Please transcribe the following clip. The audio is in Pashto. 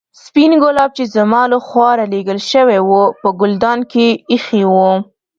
سپين ګلاب چې زما له خوا رالېږل شوي وو په ګلدان کې ایښي وو.